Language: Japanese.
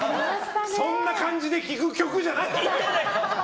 そんな感じで聴く曲じゃない！